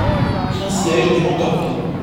Son siège est Mantorville.